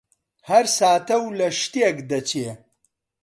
هەر ساتە و لە شتێک دەچێ: